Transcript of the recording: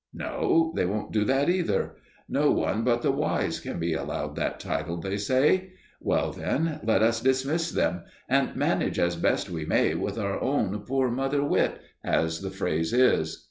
No, they won't do that either. No one but the "wise" can be allowed that title, say they. Well, then, let us dismiss them and manage as best we may with our own poor mother wit, as the phrase is.